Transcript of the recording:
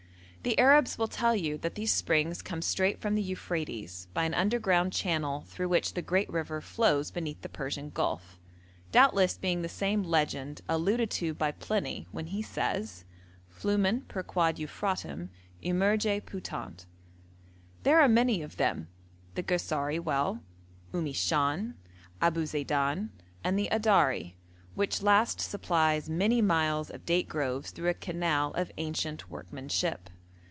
The Arabs will tell you that these springs come straight from the Euphrates, by an underground channel through which the great river flows beneath the Persian Gulf, doubtless being the same legend alluded to by Pliny when he says, 'Flumen per quod Euphratem emergere putant.' There are many of them the Garsari well, Um i Shaun, Abu Zeidan, and the Adari, which last supplies many miles of date groves through a canal of ancient workmanship.